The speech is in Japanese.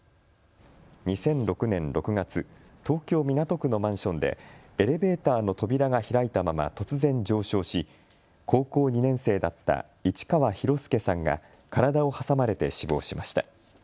２００６年６月、東京港区のマンションでエレベーターの扉が開いたまま突然上昇し高校２年生だった市川大輔さんが体を挟まれて死亡しました。